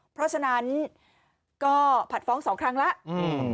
เพราะฉะนั้นก็ผัดฟ้องสองครั้งแล้วอืม